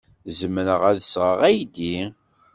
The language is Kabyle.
Zemreɣ ad d-sɣeɣ aydi?